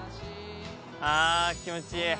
気持ちいい！